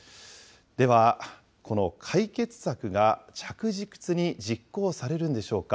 では、この解決策が着実に実行されるんでしょうか。